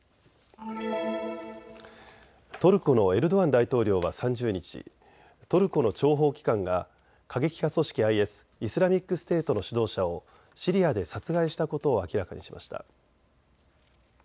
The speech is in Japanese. トルコのエルドアン大統領は３０日、トルコの諜報機関が過激派組織ＩＳ・イスラミックステートの指導者をシリアで殺害したことを明らかにしました。